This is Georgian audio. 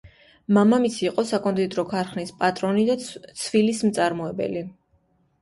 მამამისი იყო საკონდიტრო ქარხნის პატრონი და ცვილის მწარმოებელი.